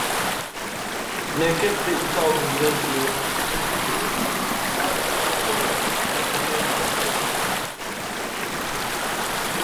Na capital do Brasil, Brasília, faz muito calor no mês de setembro.